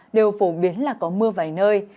đều phổ biến là có mưa vài nơi